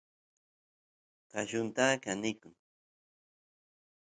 qallunta kanikun